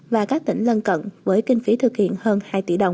và các tỉnh lân cận với kinh phí thực hiện hơn hai tỷ đồng